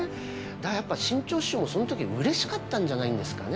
だからやっぱ志ん朝師匠もその時はうれしかったんじゃないんですかね。